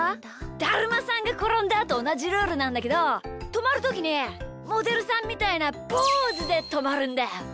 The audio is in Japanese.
「だるまさんがころんだ」とおなじルールなんだけどとまるときにモデルさんみたいなポーズでとまるんだよ。